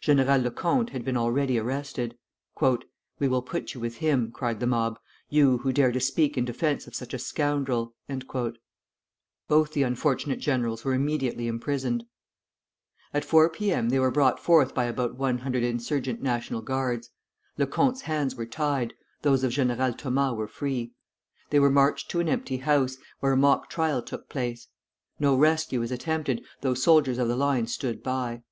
General Lecomte had been already arrested. "We will put you with him," cried the mob, "you, who dare to speak in defence of such a scoundrel." Both the unfortunate generals were immediately imprisoned. [Footnote 1: Leighton, Paris under the Commune.] At four P. M. they were brought forth by about one hundred insurgent National Guards; Lecomte's hands were tied, those of General Thomas were free. They were marched to an empty house, where a mock trial took place. No rescue was attempted, though soldiers of the line stood by.